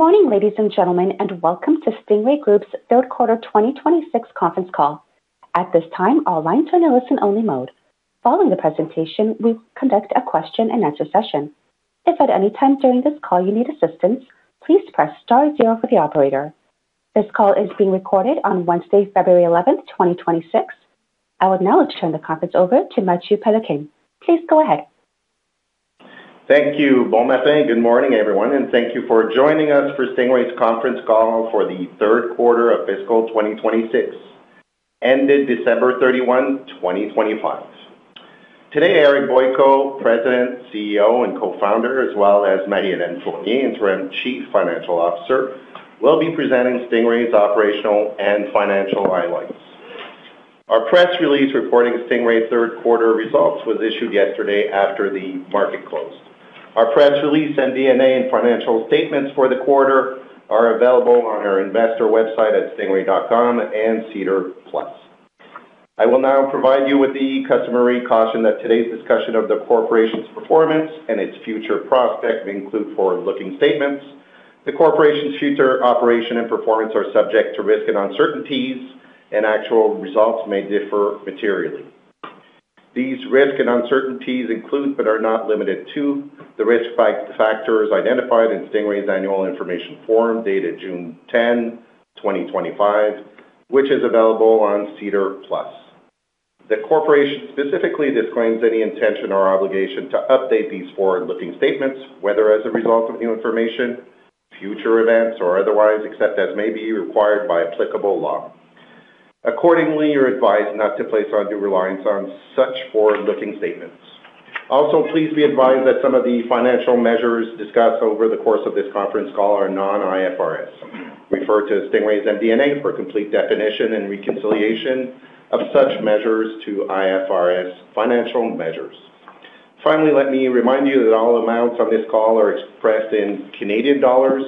Good morning, ladies and gentlemen, and welcome to Stingray Group's Third-Quarter 2026 Conference Call. At this time, all lines are in a listen-only mode. Following the presentation, we will conduct a question-and-answer session. If at any time during this call you need assistance, please press star zero for the operator. This call is being recorded on Wednesday, February 11th, 2026. I would now like to turn the conference over to Mathieu Péloquin. Please go ahead. Thank you, Bonjour, Mathieu. Good morning, everyone, and thank you for joining us for Stingray's conference call for the third quarter of fiscal 2026, ended December 31, 2025. Today, Eric Boyko, President, CEO, and Co-founder, as well as Marie-Hélène Fournier, Interim Chief Financial Officer, will be presenting Stingray's operational and financial highlights. Our press release reporting Stingray's third quarter results was issued yesterday after the market closed. Our press release and MD&A and financial statements for the quarter are available on our investor website at stingray.com and SEDAR+. I will now provide you with the customary caution that today's discussion of the corporation's performance and its future prospect may include forward-looking statements. The corporation's future operation and performance are subject to risk and uncertainties, and actual results may differ materially. These risk and uncertainties include but are not limited to the risk factors identified in Stingray's annual information form dated June 10, 2025, which is available on SEDAR+. The corporation specifically disclaims any intention or obligation to update these forward-looking statements, whether as a result of new information, future events, or otherwise except as may be required by applicable law. Accordingly, you're advised not to place undue reliance on such forward-looking statements. Also, please be advised that some of the financial measures discussed over the course of this conference call are non-IFRS. Refer to Stingray's MD&A for complete definition and reconciliation of such measures to IFRS financial measures. Finally, let me remind you that all amounts on this call are expressed in Canadian dollars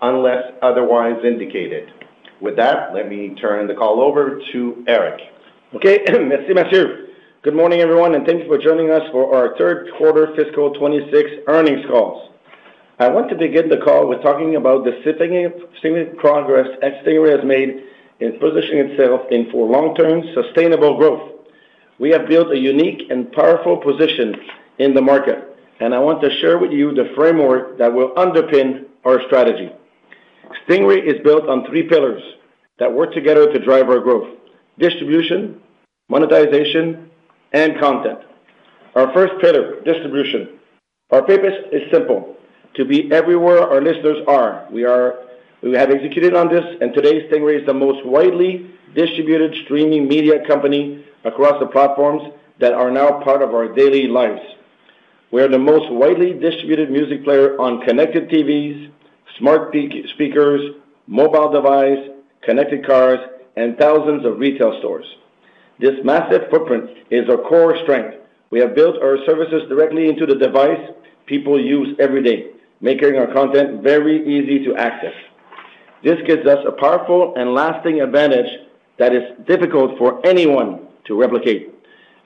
unless otherwise indicated. With that, let me turn the call over to Eric. Okay. Merci, Mathieu. Good morning, everyone, and thank you for joining us for our Third-Quarter Fiscal 2026 Earnings Calls. I want to begin the call with talking about the significant progress that Stingray has made in positioning itself for long-term sustainable growth. We have built a unique and powerful position in the market, and I want to share with you the framework that will underpin our strategy. Stingray is built on three pillars that work together to drive our growth: distribution, monetization, and content. Our first pillar, distribution. Our purpose is simple: to be everywhere our listeners are. We have executed on this, and today, Stingray is the most widely distributed streaming media company across the platforms that are now part of our daily lives. We are the most widely distributed music player on connected TVs, smart speakers, mobile devices, connected cars, and thousands of retail stores. This massive footprint is our core strength. We have built our services directly into the device people use every day, making our content very easy to access. This gives us a powerful and lasting advantage that is difficult for anyone to replicate.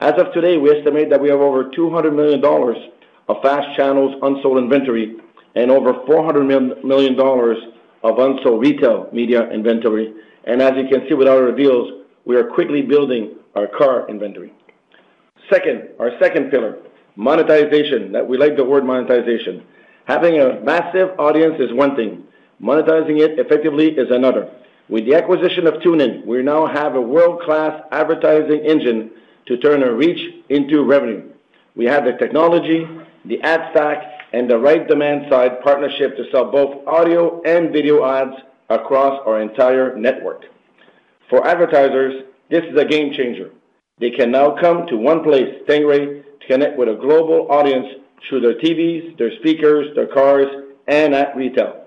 As of today, we estimate that we have over $200 million of FAST channels unsold inventory and over $400 million of unsold retail media inventory. As you can see without reveals, we are quickly building our car inventory. Second, our second pillar, monetization, that we like the word monetization. Having a massive audience is one thing. Monetizing it effectively is another. With the acquisition of TuneIn, we now have a world-class advertising engine to turn our reach into revenue. We have the technology, the ad stack, and the right demand side partnership to sell both audio and video ads across our entire network. For advertisers, this is a game changer. They can now come to one place, Stingray, to connect with a global audience through their TVs, their speakers, their cars, and at retail.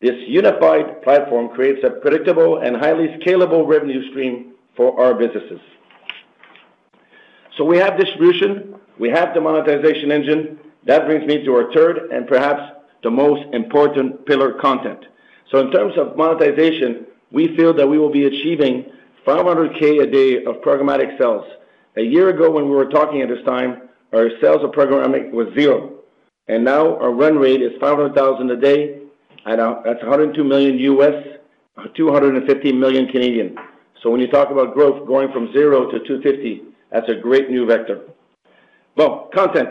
This unified platform creates a predictable and highly scalable revenue stream for our businesses. So we have distribution. We have the monetization engine. That brings me to our third and perhaps the most important pillar, content. So in terms of monetization, we feel that we will be achieving 500,000 a day of programmatic sales. A year ago, when we were talking at this time, our sales of programmatic was zero. And now our run rate is 500,000 a day. That's $102 million, 250 million. So when you talk about growth going from zero-250, that's a great new vector. Well, content.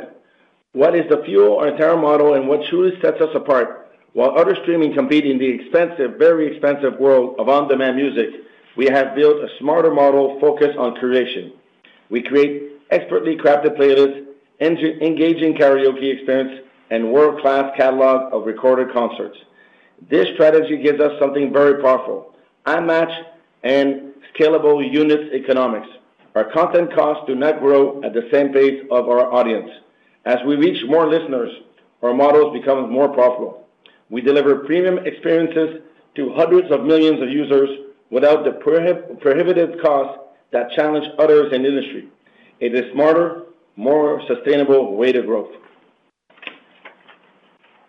What is the fuel or entire model, and what truly sets us apart? While other streaming compete in the expensive, very expensive world of on-demand music, we have built a smarter model focused on creation. We create expertly crafted playlists, engaging karaoke experiences, and a world-class catalog of recorded concerts. This strategy gives us something very powerful: unmatched and scalable unit economics. Our content costs do not grow at the same pace of our audience. As we reach more listeners, our models become more profitable. We deliver premium experiences to hundreds of millions of users without the prohibitive costs that challenge others in the industry. It is a smarter, more sustainable way to growth.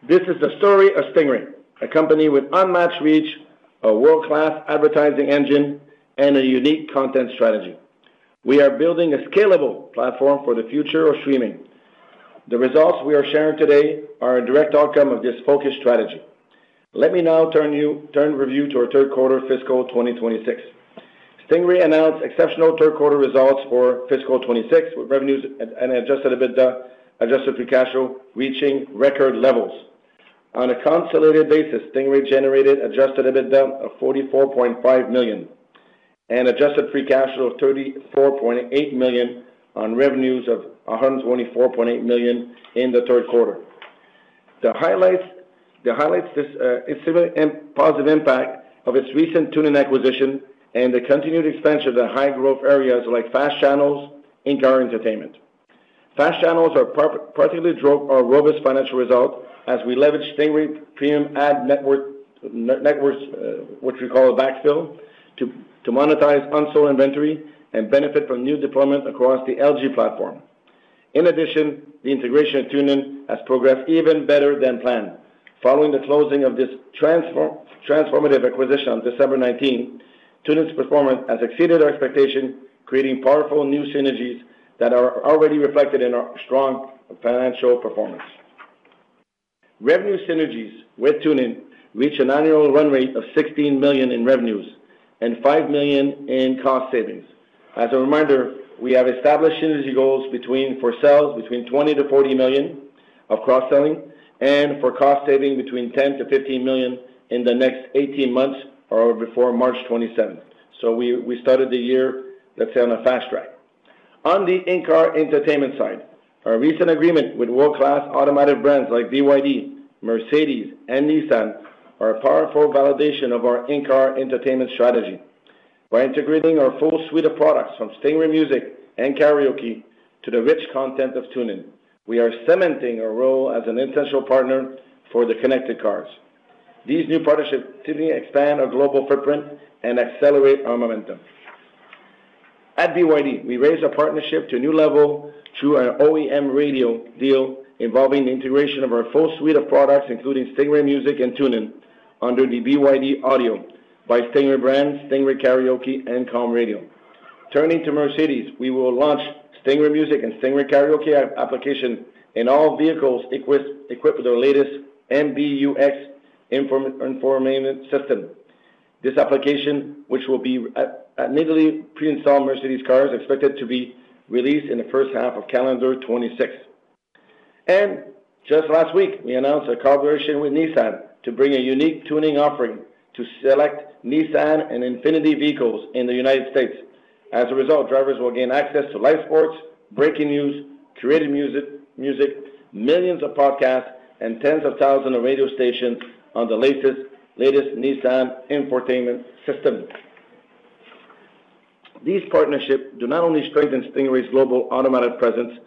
This is the story of Stingray, a company with unmatched reach, a world-class advertising engine, and a unique content strategy. We are building a scalable platform for the future of streaming. The results we are sharing today are a direct outcome of this focused strategy. Let me now turn to review our third-quarter fiscal 2026. Stingray announced exceptional third-quarter results for fiscal '26 with revenues and adjusted free cash flow reaching record levels. On a consolidated basis, Stingray generated adjusted EBITDA of 44.5 million and adjusted free cash flow of 34.8 million on revenues of 124.8 million in the third quarter. This highlights the positive impact of its recent TuneIn acquisition and the continued expansion of the high-growth areas like FAST channels and car entertainment. Fast channels are a particularly robust financial result as we leverage Stingray's premium ad networks, which we call a backfill, to monetize unsold inventory and benefit from new deployment across the LG platform. In addition, the integration of TuneIn has progressed even better than planned. Following the closing of this transformative acquisition on December 19th, TuneIn's performance has exceeded our expectations, creating powerful new synergies that are already reflected in our strong financial performance. Revenue synergies with TuneIn reach an annual run rate of 16 million in revenues and 5 million in cost savings. As a reminder, we have established synergy goals for sales between 20 million-40 million of cross-selling and for cost saving between 10 million-15 million in the next 18 months or before March 27th. So we started the year, let's say, on a fast track. On the in-car entertainment side, our recent agreement with world-class automotive brands like BYD, Mercedes, and Nissan are a powerful validation of our in-car entertainment strategy. By integrating our full suite of products from Stingray Music and karaoke to the rich content of TuneIn, we are cementing our role as an essential partner for the connected cars. These new partnerships typically expand our global footprint and accelerate our momentum. At BYD, we raised our partnership to a new level through an OEM radio deal involving the integration of our full suite of products, including Stingray Music and TuneIn, under the BYD Audio by Stingray Brands, Stingray Karaoke, and Calm Radio. Turning to Mercedes, we will launch Stingray Music and Stingray Karaoke application in all vehicles equipped with our latest MBUX information system. This application, which will be immediately pre-installed on Mercedes cars, is expected to be released in the first half of calendar 2026. Just last week, we announced a collaboration with Nissan to bring a unique tuning offering to select Nissan and Infiniti vehicles in the United States. As a result, drivers will gain access to live sports, breaking news, creative music, millions of podcasts, and tens of thousands of radio stations on the latest Nissan infotainment system. These partnerships do not only strengthen Stingray's global automotive presence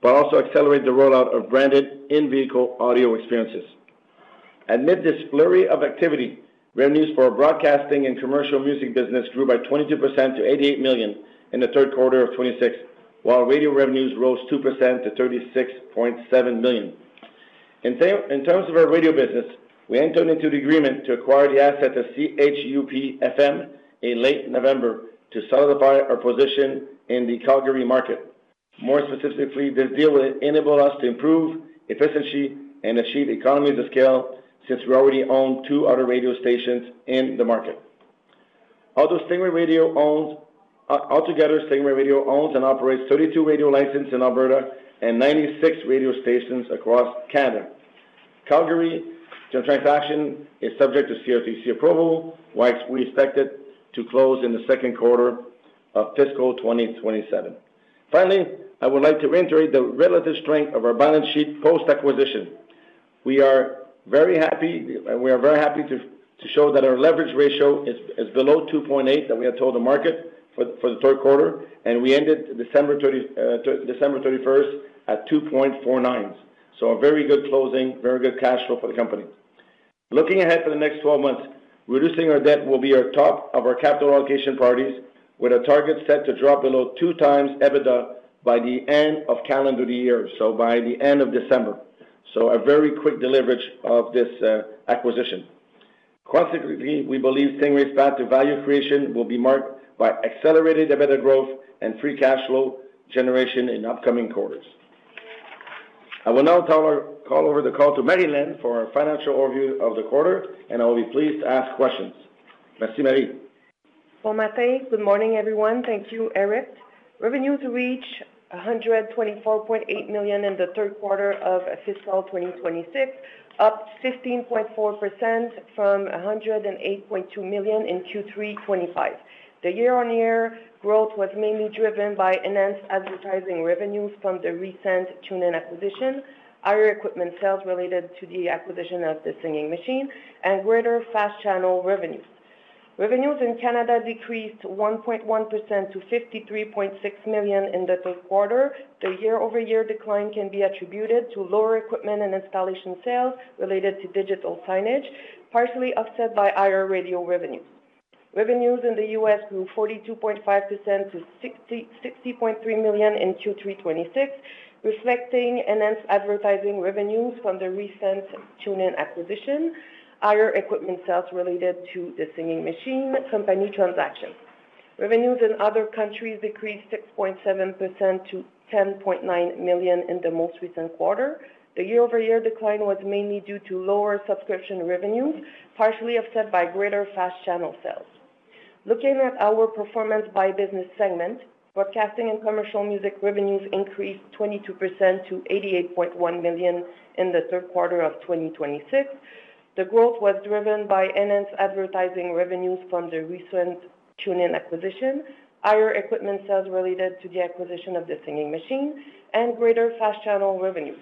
but also accelerate the rollout of branded in-vehicle audio experiences. Amid this flurry of activity, revenues for our broadcasting and commercial music business grew by 22% to 88 million in the third quarter of 2026, while radio revenues rose 2% to 36.7 million. In terms of our radio business, we entered into an agreement to acquire the asset of CHUP-FM in late November to solidify our position in the Calgary market. More specifically, this deal will enable us to improve efficiency and achieve economies of scale since we already own two other radio stations in the market. Although Stingray Radio owns altogether, Stingray Radio owns and operates 32 radio licenses in Alberta and 96 radio stations across Canada. Calgary transaction is subject to CRTC approval, why we expect it to close in the second quarter of fiscal 2027. Finally, I would like to reiterate the relative strength of our balance sheet post-acquisition. We are very happy to show that our leverage ratio is below 2.8 that we had told the market for the third quarter, and we ended December 31st at 2.49 ratio. So a very good closing, very good cash flow for the company. Looking ahead for the next 12 months, reducing our debt will be our top of our capital allocation priorities, with a target set to drop below 2x EBITDA by the end of calendar year, so by the end of December. So a very quick delivery of this acquisition. Consequently, we believe Stingray's path to value creation will be marked by accelerated EBITDA growth and free cash flow generation in upcoming quarters. I will now call over the call to Marie-Hélène for a financial overview of the quarter, and I will be pleased to ask questions. Merci, Marie. Bon matin. Good morning, everyone. Thank you, Eric. Revenues reached 124.8 million in the third quarter of fiscal 2026, up 15.4% from 108.2 million in Q3 2025. The year-on-year growth was mainly driven by enhanced advertising revenues from the recent TuneIn acquisition, higher equipment sales related to the acquisition of the singing machine, and greater fast channel revenues. Revenues in Canada decreased 1.1% to 53.6 million in the third quarter. The year-over-year decline can be attributed to lower equipment and installation sales related to digital signage, partially offset by higher radio revenues. Revenues in the U.S. grew 42.5% to 60.3 million in Q3 2026, reflecting enhanced advertising revenues from the recent TuneIn acquisition, higher equipment sales related to the singing machine, company transactions. Revenues in other countries decreased 6.7% to 10.9 million in the most recent quarter. The year-over-year decline was mainly due to lower subscription revenues, partially offset by greater FAST channel sales. Looking at our performance by business segment, broadcasting and commercial music revenues increased 22% to 88.1 million in the third quarter of 2026. The growth was driven by enhanced advertising revenues from the recent TuneIn acquisition, higher equipment sales related to the acquisition of the singing machine, and greater FAST channel revenues.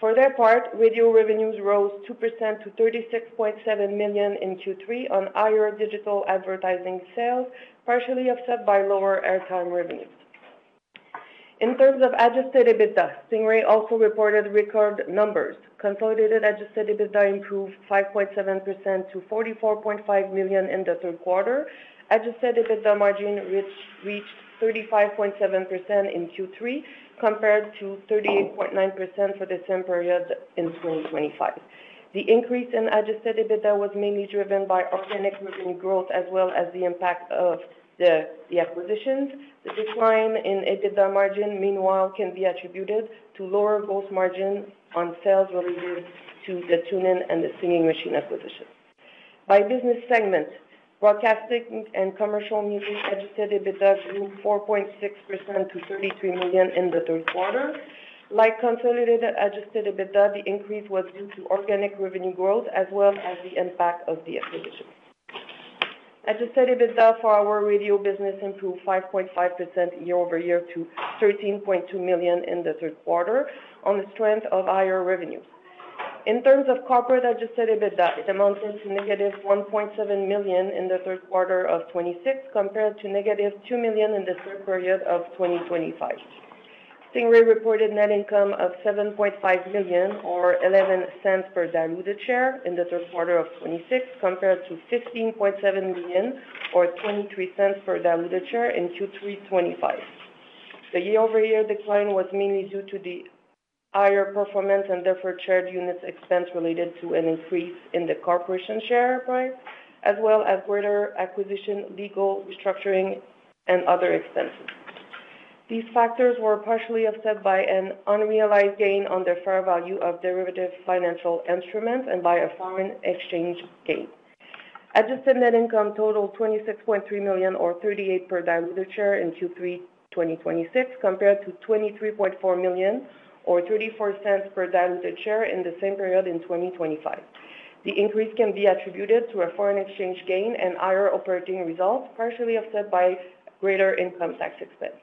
For their part, radio revenues rose 2% to 36.7 million in Q3 on higher digital advertising sales, partially offset by lower airtime revenues. In terms of adjusted EBITDA, Stingray also reported record numbers. Consolidated adjusted EBITDA improved 5.7% to 44.5 million in the third quarter. Adjusted EBITDA margin reached 35.7% in Q3, compared to 38.9% for the same period in 2025. The increase in adjusted EBITDA was mainly driven by organic revenue growth as well as the impact of the acquisitions. The decline in EBITDA margin, meanwhile, can be attributed to lower gross margin on sales related to the TuneIn and the Singing Machine acquisition. By business segment, broadcasting and commercial music adjusted EBITDA grew 4.6% to 33 million in the third quarter. Like consolidated adjusted EBITDA, the increase was due to organic revenue growth as well as the impact of the acquisition. adjusted EBITDA for our radio business improved 5.5% year-over-year to 13.2 million in the third quarter on the strength of higher revenues. In terms of corporate adjusted EBITDA, it amounted to -1.7 million in the third quarter of 2026, compared to -2 million in the third quarter of 2025. Stingray reported net income of 7.5 million or 0.11 per diluted share in the third quarter of 2026, compared to 15.7 million or 0.23 per diluted share in Q3 2025. The year-over-year decline was mainly due to the higher performance and therefore shared units expense related to an increase in the corporation share price, as well as greater acquisition, legal restructuring, and other expenses. These factors were partially offset by an unrealized gain on the fair value of derivative financial instruments and by a foreign exchange gain. Adjusted net income totaled 26.3 million or 0.38 per diluted share in Q3 2026, compared to 23.4 million or 0.34 per diluted share in the same period in 2025. The increase can be attributed to a foreign exchange gain and higher operating results, partially offset by greater income tax expense.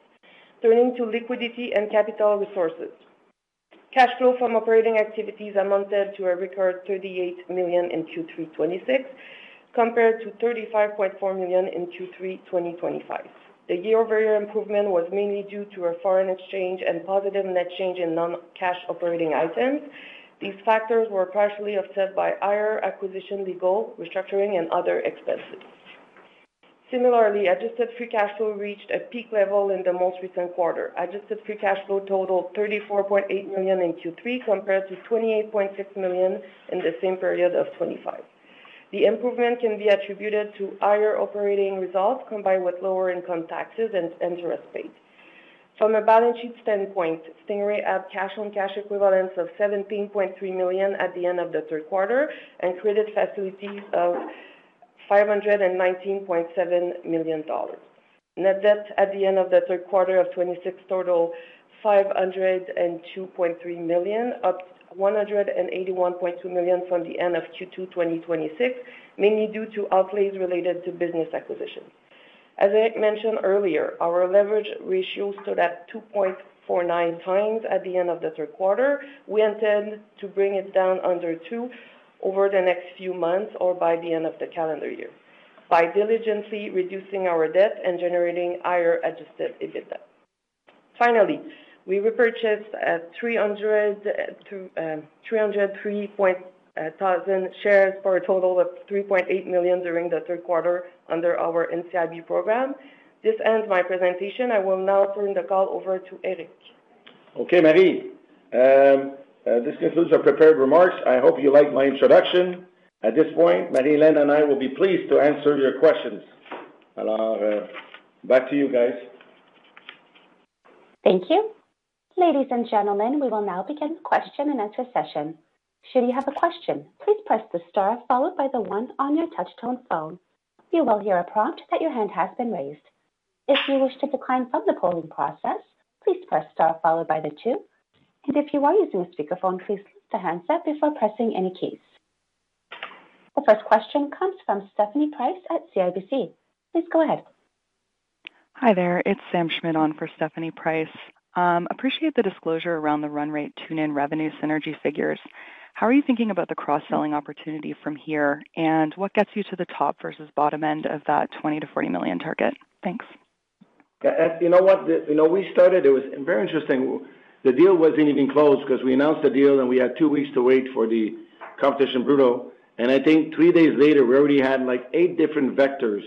Turning to Liquidity and Capital Resources. Cash flow from operating activities amounted to a record 38 million in Q3 2026, compared to 35.4 million in Q3 2025. The year-over-year improvement was mainly due to a foreign exchange and positive net change in non-cash operating items. These factors were partially offset by higher acquisition, legal restructuring, and other expenses. Similarly, adjusted free cash flow reached a peak level in the most recent quarter. Adjusted free cash flow totaled 34.8 million in Q3, compared to 28.6 million in the same period of 2025. The improvement can be attributed to higher operating results combined with lower income taxes and interest rates. From a balance sheet standpoint, Stingray had cash and cash equivalents of 17.3 million at the end of the third quarter and credit facilities of 519.7 million dollars. Net debt at the end of the third quarter of 2026 totaled 502.3 million, up 181.2 million from the end of Q2 2026, mainly due to outlays related to business acquisitions. As I mentioned earlier, our leverage ratio stood at 2.49x at the end of the third quarter. We intend to bring it down under 2x over the next few months or by the end of the calendar year, by diligently reducing our debt and generating higher adjusted EBITDA. Finally, we repurchased 303,000 shares for a total of 3.8 million during the third quarter under our NCIB program. This ends my presentation. I will now turn the call over to Eric. Okay, Marie. This concludes your prepared remarks. I hope you liked my introduction. At this point, Marie-Hélène and I will be pleased to answer your questions. Back to you guys. Thank you. Ladies and gentlemen, we will now begin the question-and-answer session. Should you have a question, please press the star followed by the one on your touchscreen phone. You will hear a prompt that your hand has been raised. If you wish to decline from the polling process, please press star followed by the two. And if you are using a speakerphone, please lift the handset before pressing any keys. The first question comes from Stephanie Price at CIBC. Please go ahead. Hi there. It's Sam Schmidt on for Stephanie Price. Appreciate the disclosure around the run rate TuneIn revenue synergy figures. How are you thinking about the cross-selling opportunity from here, and what gets you to the top versus bottom end of that $20 million-$40 million target? Thanks. You know what? We started. It was very interesting. The deal wasn't even closed because we announced the deal, and we had two weeks to wait for the Competition Bureau. And I think three days later, we already had eight different vectors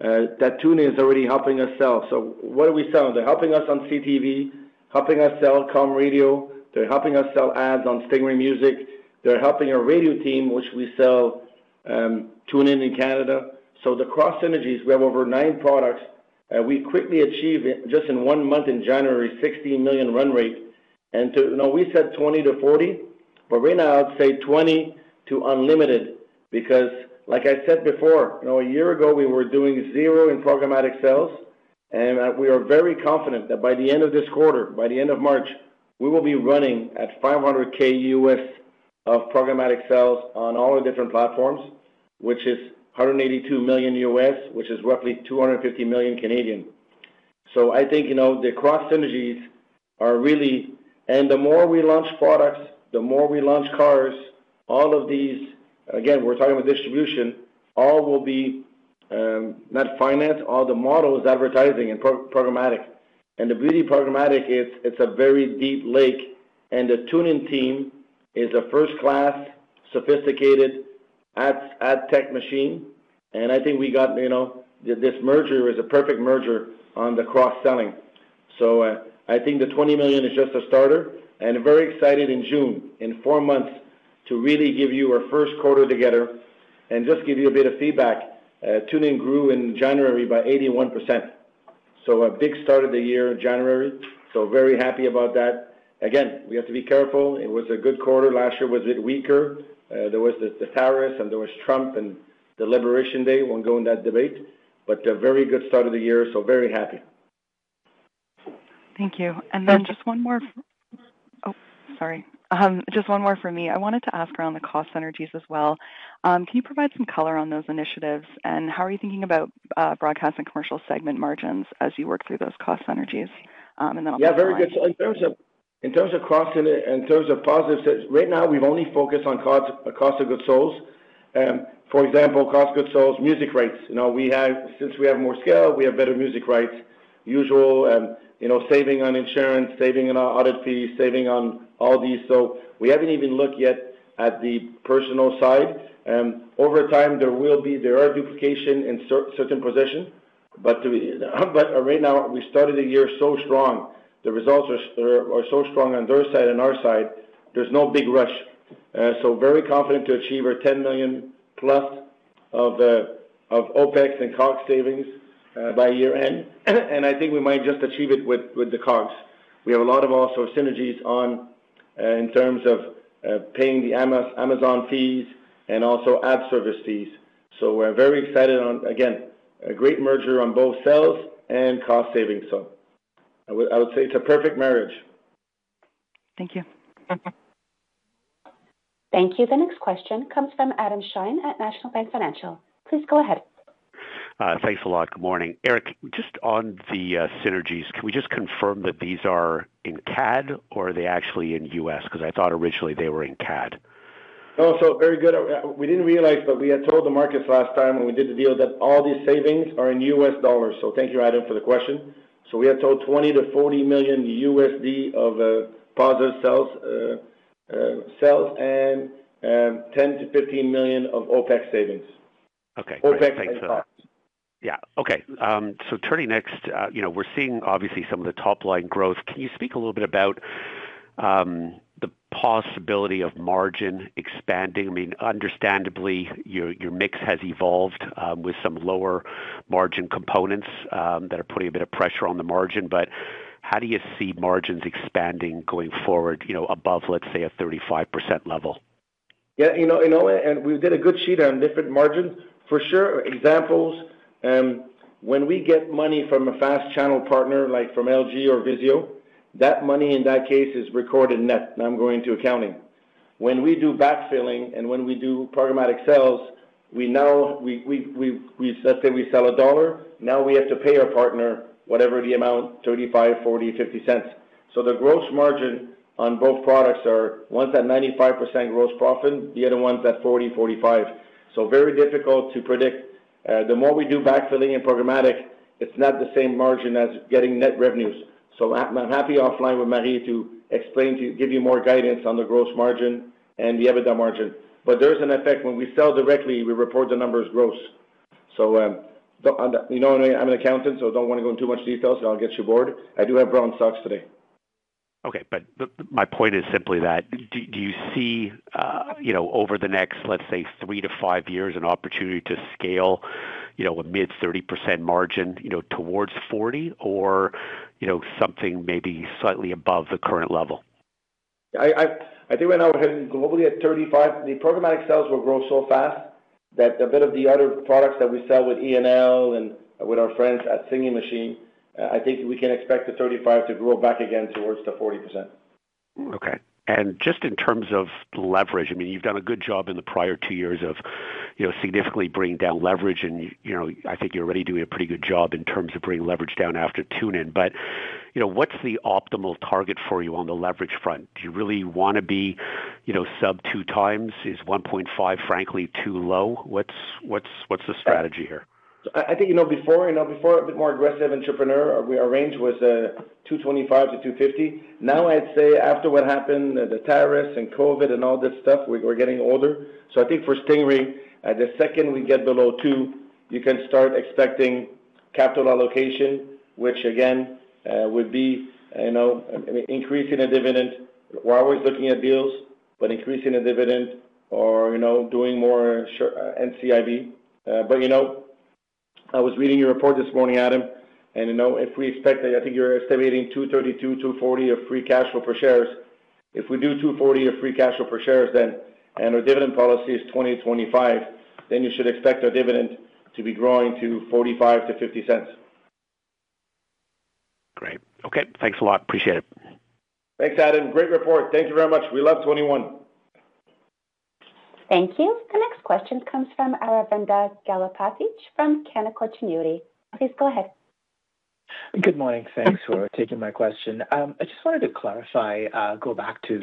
that TuneIn is already helping us sell. So what are we selling? They're helping us on CTV, helping us sell Calm Radio. They're helping us sell ads on Stingray Music. They're helping our radio team, which we sell TuneIn in Canada. So the cross synergies, we have over nine products. We quickly achieved, just in one month in January, a 16 million run rate. And we said $20 million-$40 million, but right now, I would say 20 million to unlimited because, like I said before, a year ago, we were doing zero in programmatic sales. We are very confident that by the end of this quarter, by the end of March, we will be running at $500,000 of programmatic sales on all our different platforms, which is $182 million, which is roughly 250 million. So I think the cross synergies are really and the more we launch products, the more we launch cars, all of these again, we're talking about distribution, all will be not finance, all the models advertising and programmatic. And the beauty of programmatic, it's a very deep lake. And the TuneIn team is a first-class, sophisticated ad tech machine. And I think we got this merger was a perfect merger on the cross-selling. So I think the $20 million is just a starter. And very excited in June, in four months, to really give you our first quarter together and just give you a bit of feedback. TuneIn grew in January by 81%. So a big start of the year, January. So very happy about that. Again, we have to be careful. It was a good quarter. Last year was a bit weaker. There was the tariffs, and there was Trump and the Liberation Day when going to that debate. But a very good start of the year, so very happy. Thank you. Just one more for me. I wanted to ask around the cost synergies as well. Can you provide some color on those initiatives, and how are you thinking about broadcast and commercial segment margins as you work through those cost synergies? And then I'll move on to. Yeah, very good. So in terms of cross and in terms of positives, right now, we've only focused on cost of goods sold. For example, cost of goods sold, music rights. Since we have more scale, we have better music rights, usual saving on insurance, saving on audit fees, saving on all these. So we haven't even looked yet at the personal side. Over time, there will be there are duplications in certain positions. But right now, we started the year so strong. The results are so strong on their side and our side, there's no big rush. So very confident to achieve our 10 million+ of OpEx and COGS savings by year-end. And I think we might just achieve it with the COGS. We have a lot of also synergies in terms of paying the Amazon fees and also ad service fees. So, we're very excited once again about a great merger on both sales and cost savings. So, I would say it's a perfect marriage. Thank you. Thank you. The next question comes from Adam Shine at National Bank Financial. Please go ahead. Thanks a lot. Good morning. Eric, just on the synergies, can we just confirm that these are in CAD, or are they actually in U.S.? Because I thought originally they were in CAD. No, so very good. We didn't realize, but we had told the markets last time when we did the deal that all these savings are in U.S. dollars. So thank you, Adam, for the question. So we had told $20 million-$40 million of positive sales and $10 million-$15 million of OpEx savings. Okay. Thanks for that. OpEx, I thought. Yeah. Okay. So turning next, we're seeing, obviously, some of the top-line growth. Can you speak a little bit about the possibility of margin expanding? I mean, understandably, your mix has evolved with some lower margin components that are putting a bit of pressure on the margin. But how do you see margins expanding going forward above, let's say, a 35% level? Yeah. We did a good sheet on different margins, for sure, examples. When we get money from a FAST channel partner like from LG or Vizio, that money, in that case, is recorded net. I'm going to accounting. When we do backfilling and when we do programmatic sales, we now let's say we sell $1. Now we have to pay our partner whatever the amount, $0.35, $0.40, $0.50. So the gross margin on both products are ones at 95% gross profit, the other ones at 40%-45%. So very difficult to predict. The more we do backfilling and programmatic, it's not the same margin as getting net revenues. So I'm happy offline with Marie to explain to you, give you more guidance on the gross margin and the EBITDA margin. But there's an effect. When we sell directly, we report the numbers gross. So you know what I mean? I'm an accountant, so don't want to go into too much details, and I'll get you bored. I do have brown socks today. Okay. But my point is simply that, do you see over the next, let's say, three-five years, an opportunity to scale a mid-30% margin towards 40% or something maybe slightly above the current level? I think right now, we're heading globally at 35%. The programmatic sales will grow so fast that a bit of the other products that we sell with LG and with our friends at Singing Machine, I think we can expect the 35% to grow back again towards the 40%. Okay. And just in terms of leverage, I mean, you've done a good job in the prior two years of significantly bringing down leverage. And I think you're already doing a pretty good job in terms of bringing leverage down after TuneIn. But what's the optimal target for you on the leverage front? Do you really want to be sub-2x? Is 1.5x, frankly, too low? What's the strategy here? I think before, a bit more aggressive entrepreneur, our range was 2.25x-2.50x. Now, I'd say after what happened, the tariffs and COVID and all this stuff, we're getting older. So I think for Stingray, the second we get below 2x, you can start expecting capital allocation, which, again, would be increasing the dividend. We're always looking at deals, but increasing the dividend or doing more NCIB. But I was reading your report this morning, Adam. And if we expect that I think you're estimating 2.32-2.40 of free cash flow per shares. If we do 2.40 of free cash flow per shares, then, and our dividend policy is 20/25, then you should expect our dividend to be growing to 0.45-0.50. Great. Okay. Thanks a lot. Appreciate it. Thanks, Adam. Great report. Thank you very much. We love 2021. Thank you. The next question comes from Aravinda Galappatthige from Canaccord Genuity. Please go ahead. Good morning. Thanks for taking my question. I just wanted to clarify, go back to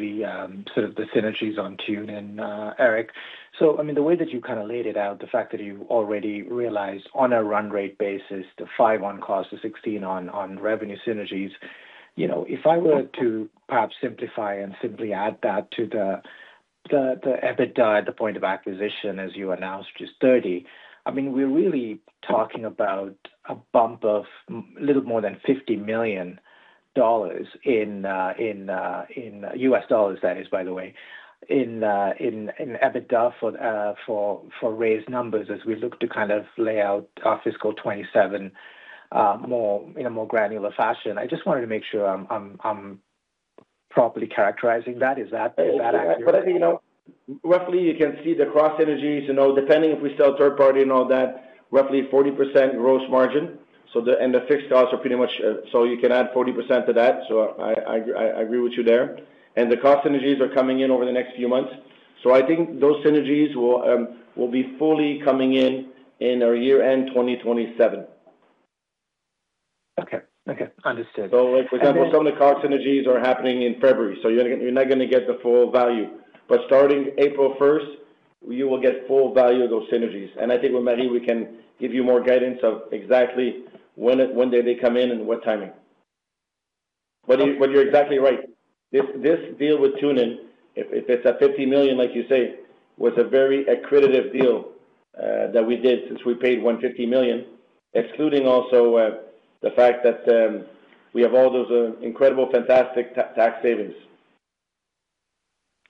sort of the synergies on TuneIn, Eric. So I mean, the way that you kind of laid it out, the fact that you already realized on a run rate basis, the $5 million on cost, the $16 million on revenue synergies. If I were to perhaps simplify and simply add that to the EBITDA at the point of acquisition, as you announced, just $30 million, I mean, we're really talking about a bump of a little more than $50 million in U.S. dollars, that is, by the way, in EBITDA for raised numbers as we look to kind of lay out our fiscal 2027 more in a more granular fashion. I just wanted to make sure I'm properly characterizing that. Is that accurate? Yeah. But I think roughly, you can see the cross synergies. Depending if we sell third-party and all that, roughly 40% gross margin. And the fixed costs are pretty much so you can add 40% to that. So I agree with you there. And the cost synergies are coming in over the next few months. So I think those synergies will be fully coming in our year-end 2027. Okay. Okay. Understood. So for example, some of the COGS synergies are happening in February. So you're not going to get the full value. But starting April 1st, you will get full value of those synergies. And I think with Marie, we can give you more guidance of exactly when they come in and what timing. But you're exactly right. This deal with TuneIn, if it's a $50 million, like you say, was a very accretive deal that we did since we paid $150 million, excluding also the fact that we have all those incredible, fantastic tax savings.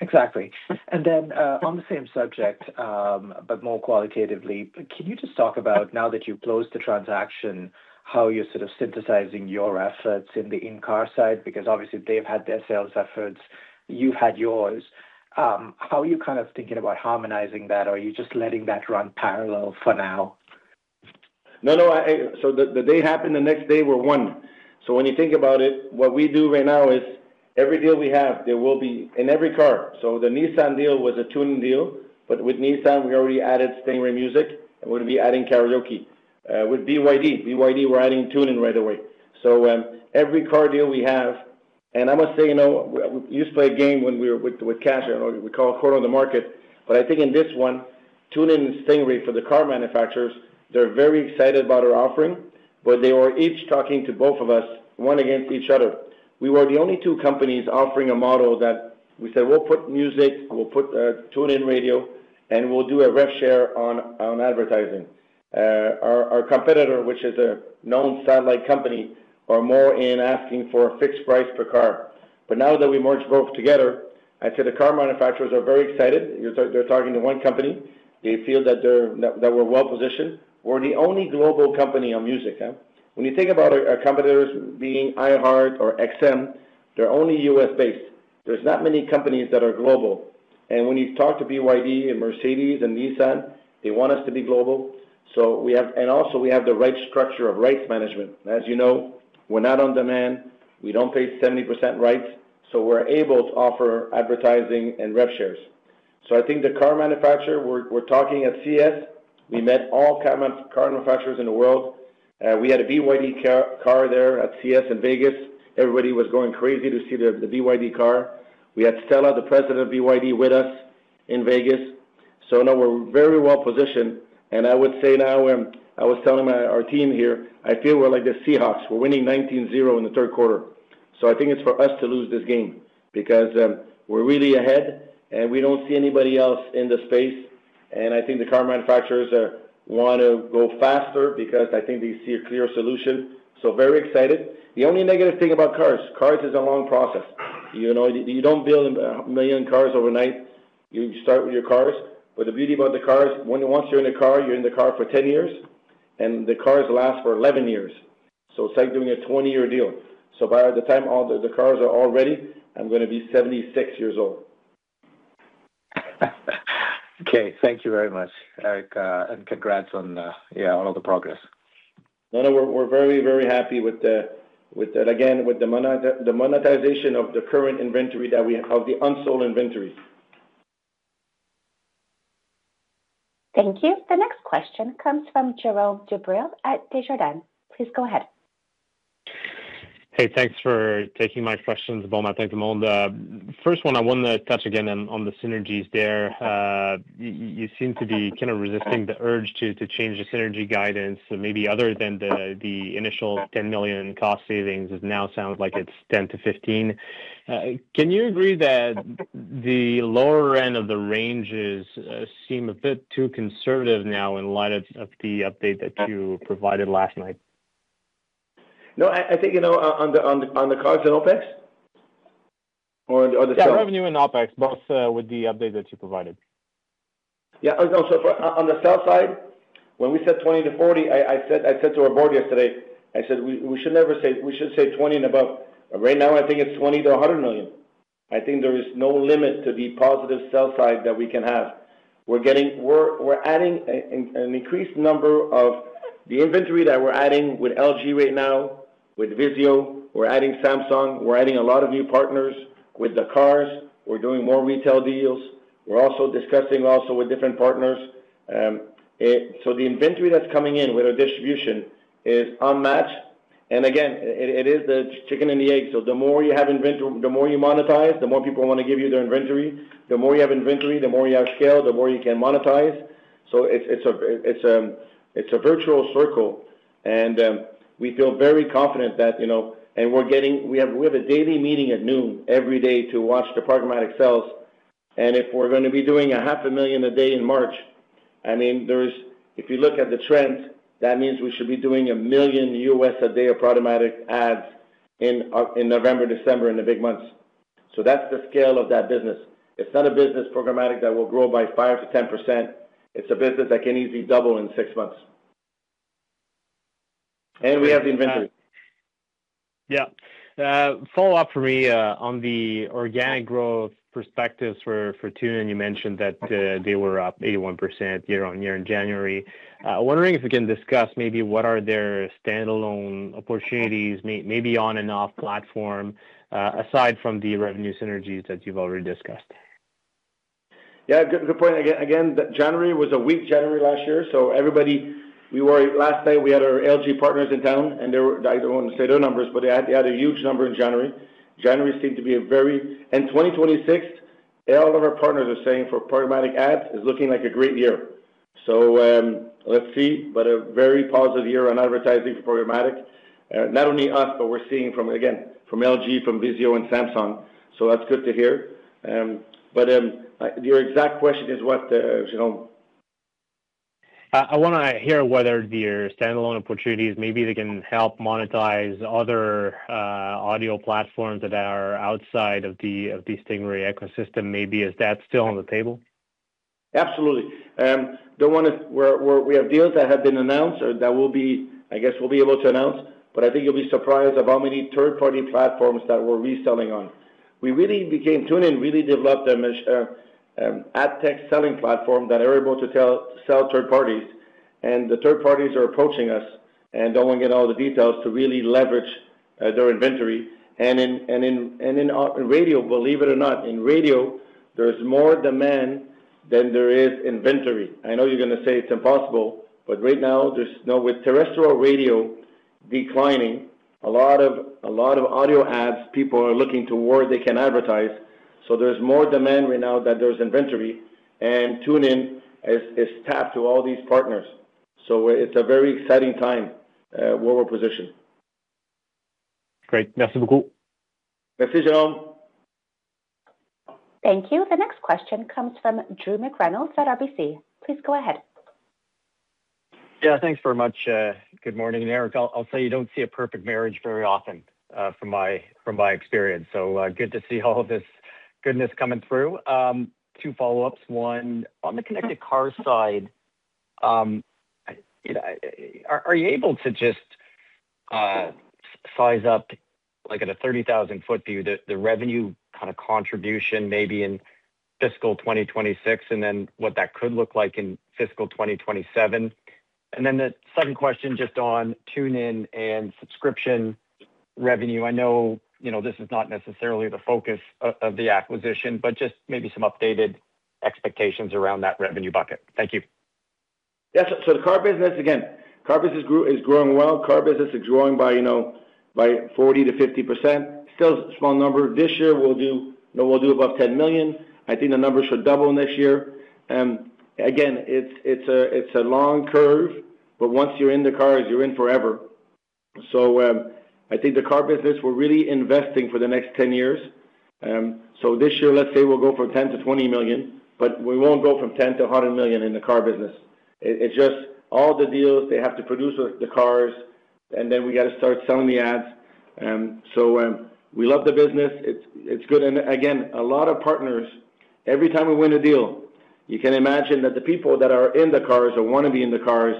Exactly. And then on the same subject, but more qualitatively, can you just talk about, now that you've closed the transaction, how you're sort of synthesizing your efforts in the in-car side? Because obviously, they've had their sales efforts. You've had yours. How are you kind of thinking about harmonizing that, or are you just letting that run parallel for now? No, no. So the day happened, the next day were one. So when you think about it, what we do right now is every deal we have, there will be in every car. So the Nissan deal was a TuneIn deal. But with Nissan, we already added Stingray Music. And we're going to be adding karaoke with BYD. BYD, we're adding TuneIn right away. So every car deal we have, and I must say, we used to play a game with Cash. We call it Corner the Market. But I think in this one, TuneIn and Stingray for the car manufacturers, they're very excited about our offering, but they were each talking to both of us, one against each other. We were the only two companies offering a model that we said, "We'll put music. We'll put TuneIn radio. We'll do a rev share on advertising. Our competitor, which is a known satellite company, are more in asking for a fixed price per car. But now that we merged both together, I'd say the car manufacturers are very excited. They're talking to one company. They feel that we're well-positioned. We're the only global company on music. When you think about our competitors being iHeart or XM, they're only U.S.-based. There's not many companies that are global. And when you talk to BYD and Mercedes and Nissan, they want us to be global. And also, we have the right structure of rights management. As you know, we're not on demand. We don't pay 70% rights. So we're able to offer advertising and rev shares. So I think the car manufacturer, we're talking at CES. We met all car manufacturers in the world. We had a BYD car there at CES in Vegas. Everybody was going crazy to see the BYD car. We had Stella, the president of BYD, with us in Vegas. So no, we're very well-positioned. I would say now, I was telling our team here, I feel we're like the Seahawks. We're winning 19-0 in the third quarter. So I think it's for us to lose this game because we're really ahead, and we don't see anybody else in the space. And I think the car manufacturers want to go faster because I think they see a clear solution. So very excited. The only negative thing about cars, cars is a long process. You don't build 1 million cars overnight. You start with your cars. But the beauty about the cars, once you're in the car, you're in the car for 10 years. The cars last for 11 years. So it's like doing a 20-year deal. So by the time the cars are all ready, I'm going to be 76 years old. Okay. Thank you very much, Eric. Congrats on all of the progress. No, no. We're very, very happy with, again, with the monetization of the current inventory that we have of the unsold inventory. Thank you. The next question comes from Jérôme Dubreuil at Desjardins. Please go ahead. Hey. Thanks for taking my questions, Beaumont, thanks, Beaumont. First one, I wanted to touch again on the synergies there. You seem to be kind of resisting the urge to change the synergy guidance. So maybe other than the initial $10 million cost savings, it now sounds like it's $10 million-$15 million. Can you agree that the lower end of the ranges seem a bit too conservative now in light of the update that you provided last night? No, I think on the COGS and OpEx or the sales? Yeah. Revenue and OpEx, both with the update that you provided. Yeah. No, so on the sales side, when we said $20 million-$40 million, I said to our board yesterday, I said, "We should never say we should say $20 million and above." Right now, I think it's $20 million-$100 million. I think there is no limit to the positive sales side that we can have. We're adding an increased number of the inventory that we're adding with LG right now, with Vizio. We're adding Samsung. We're adding a lot of new partners with the cars. We're doing more retail deals. We're also discussing also with different partners. So the inventory that's coming in with our distribution is unmatched. And again, it is the chicken and the egg. So the more you have inventory, the more you monetize, the more people want to give you their inventory. The more you have inventory, the more you have scale, the more you can monetize. So it's a virtuous circle. And we feel very confident that and we have a daily meeting at noon every day to watch the programmatic sales. And if we're going to be doing $500,000 a day in March, I mean, if you look at the trend, that means we should be doing $1 million a day of programmatic ads in November, December, in the big months. So that's the scale of that business. It's not a business programmatic that will grow by 5%-10%. It's a business that can easily double in six months. And we have the inventory. Yeah. Follow up for me on the organic growth perspectives for TuneIn. You mentioned that they were up 81% year-over-year in January. Wondering if we can discuss maybe what are their standalone opportunities, maybe on and off platform, aside from the revenue synergies that you've already discussed? Yeah. Good point. Again, January was a weak January last year. So everybody, we were last night, we had our LG partners in town. And I don't want to say their numbers, but they had a huge number in January. January seemed to be a very and 2026, all of our partners are saying for programmatic ads is looking like a great year. So let's see. But a very positive year on advertising for programmatic. Not only us, but we're seeing from, again, from LG, from Vizio, and Samsung. So that's good to hear. But your exact question is what? I want to hear whether their standalone opportunities, maybe they can help monetize other audio platforms that are outside of the Stingray ecosystem. Maybe, is that still on the table? Absolutely. We have deals that have been announced or that I guess we'll be able to announce. But I think you'll be surprised by how many third-party platforms that we're reselling on. TuneIn really developed an ad tech selling platform that is able to sell to third parties. And the third parties are approaching us and don't want to get all the details to really leverage their inventory. And in radio, believe it or not, in radio, there's more demand than there is inventory. I know you're going to say it's impossible. But right now, with terrestrial radio declining, a lot of audio ads, people are looking to where they can advertise. So there's more demand right now than there is inventory. And TuneIn is tapped into all these partners. So it's a very exciting time where we're positioned. Great. Merci beaucoup. Merci, Jérôme. Thank you. The next question comes from Drew McReynolds at RBC. Please go ahead. Yeah. Thanks very much. Good morning, Eric. I'll say you don't see a perfect marriage very often from my experience. So good to see all of this goodness coming through. Two follow-ups. One, on the connected car side, are you able to just size up at a 30,000-foot view the revenue kind of contribution maybe in fiscal 2026 and then what that could look like in fiscal 2027? And then the second question just on TuneIn and subscription revenue. I know this is not necessarily the focus of the acquisition, but just maybe some updated expectations around that revenue bucket. Thank you. Yeah. So the car business, again, car business is growing well. Car business is growing by 40%-50%. Still a small number. This year, we'll do above $10 million. I think the numbers should double next year. Again, it's a long curve. But once you're in the cars, you're in forever. So I think the car business, we're really investing for the next 10 years. So this year, let's say we'll go from $10 million-$20 million. But we won't go from $10 million-$100 million in the car business. It's just all the deals, they have to produce the cars, and then we got to start selling the ads. So we love the business. It's good. And again, a lot of partners. Every time we win a deal, you can imagine that the people that are in the cars or want to be in the cars,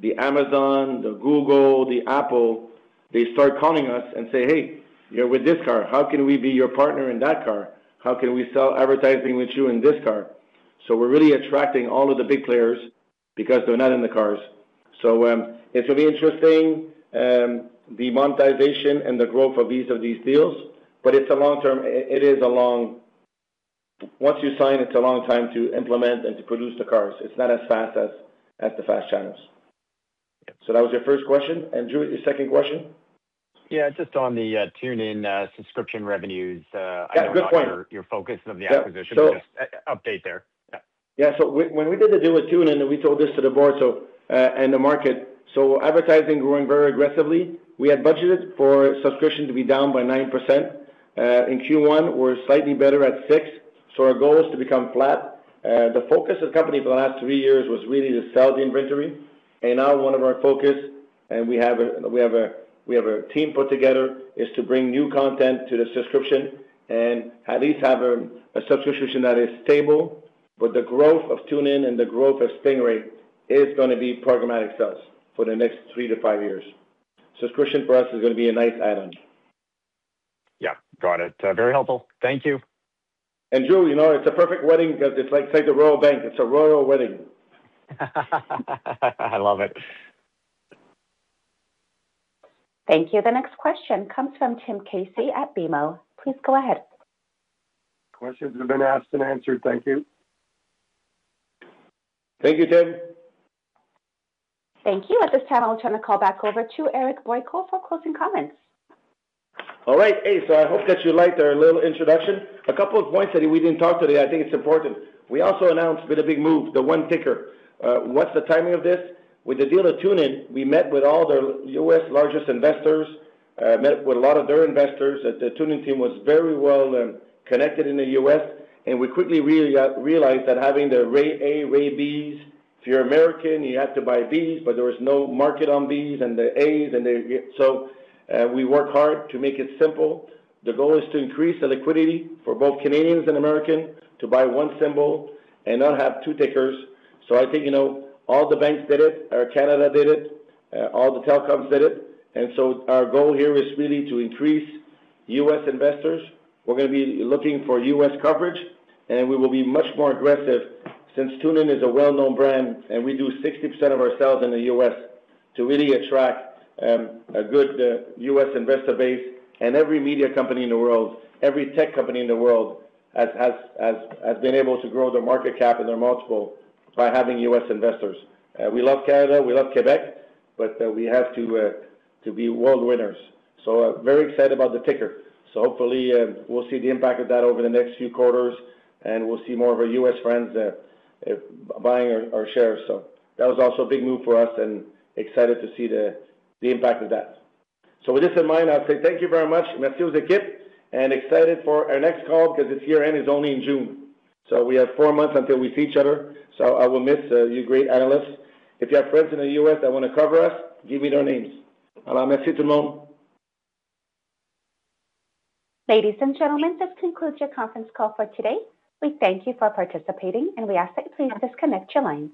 the Amazon, the Google, the Apple, they start calling us and say, "Hey, you're with this car. How can we be your partner in that car? How can we sell advertising with you in this car?" So we're really attracting all of the big players because they're not in the cars. So it's going to be interesting, the monetization and the growth of each of these deals. But it's a long-term once you sign, it's a long time to implement and to produce the cars. It's not as fast as the FAST channels. So that was your first question. And Drew, your second question? Yeah. Just on the TuneIn subscription revenues, I don't know. Yeah. Good point. Your focus of the acquisition. So just update there. Yeah. Yeah. So when we did the deal with TuneIn, and we told this to the board and the market, so advertising growing very aggressively. We had budgeted for subscription to be down by 9%. In Q1, we're slightly better at 6%. So our goal is to become flat. The focus of the company for the last three years was really to sell the inventory. And now one of our focus, and we have a team put together, is to bring new content to the subscription and at least have a subscription that is stable. But the growth of TuneIn and the growth of Stingray is going to be programmatic sales for the next three-five years. Subscription for us is going to be a nice add-on. Yeah. Got it. Very helpful. Thank you. Drew, it's a perfect wedding because it's like the Royal Bank. It's a royal wedding. I love it. Thank you. The next question comes from Tim Casey at BMO. Please go ahead. Questions have been asked and answered. Thank you. Thank you, Tim. Thank you. At this time, I'll turn the call back over to Eric Boyko for closing comments. All right. Hey. So I hope that you liked our little introduction. A couple of points that we didn't talk today, I think it's important. We also announced a bit of a big move, the one ticker. What's the timing of this? With the deal of TuneIn, we met with all their U.S. largest investors, met with a lot of their investors. The TuneIn team was very well connected in the U.S. And we quickly realized that having the Ray A, Ray Bs, if you're American, you have to buy Bs, but there was no market on Bs and the As. And so we work hard to make it simple. The goal is to increase the liquidity for both Canadians and Americans to buy one symbol and not have two tickers. So I think all the banks did it. Canada did it. All the telecoms did it. And so our goal here is really to increase U.S. investors. We're going to be looking for U.S. coverage. And we will be much more aggressive since TuneIn is a well-known brand, and we do 60% of our sales in the U.S. to really attract a good U.S. investor base. And every media company in the world, every tech company in the world has been able to grow their market cap and their multiple by having U.S. investors. We love Canada. We love Quebec. But we have to be world winners. So very excited about the ticker. So hopefully, we'll see the impact of that over the next few quarters. And we'll see more of our U.S. friends buying our shares. So that was also a big move for us and excited to see the impact of that. So with this in mind, I'll say thank you very much. Merci beaucoup. Excited for our next call because it's year-end is only in June. We have four months until we see each other. I will miss you great analysts. If you have friends in the U.S. that want to cover us, give me their names. Merci tout le monde. Ladies and gentlemen, this concludes your conference call for today. We thank you for participating, and we ask that you please disconnect your lines.